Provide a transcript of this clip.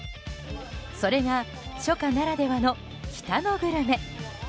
それが初夏ならではの北のグルメ。